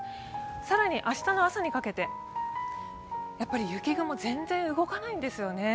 更に明日の朝にかけて、雪雲全然、動かないんですよね。